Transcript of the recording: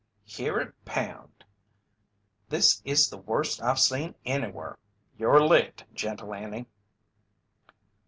"Hear it pound! This is the worst I've seen anywhur. You're licked, Gentle Annie."